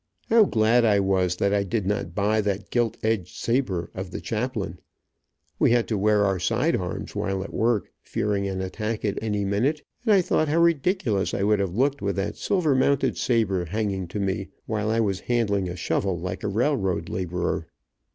How glad I was that I did not buy that gilt edged saber of the chaplain. We had to wear our side arms while at work, fearing an attack at any minute, and I thought how ridiculous I would have looked with that silver mounted saber hanging to me, while I was handling a shovel like a railroad laborer.